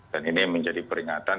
dan ini menjadi peringatan